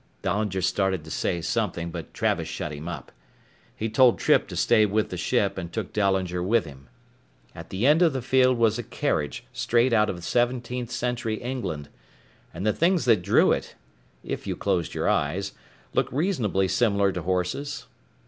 Dahlinger started to say something but Travis shut him up. He told Trippe to stay with the ship and took Dahlinger with him. At the end of the field was a carriage straight out of Seventeenth Century England. And the things that drew it if you closed your eyes looked reasonably similar to horses.